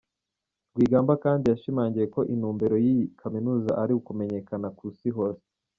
Rwigamba kandi yashimangiye ko intumbero y’iyi kaminuza ari ukumenyekana ku isi hose.